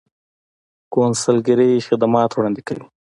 کونسلګرۍ خدمات وړاندې کوي